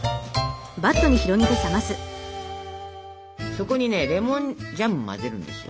そこにねレモンジャムを混ぜるんですよ。